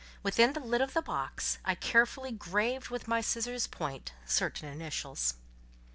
Within the lid of the box, I carefully graved with my scissors' point certain initials.